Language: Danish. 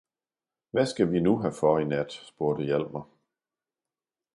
Hvad skal vi nu have for i nat? spurgte Hjalmar.